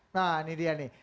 nah ini dia nih